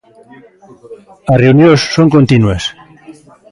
As reunións son continuas.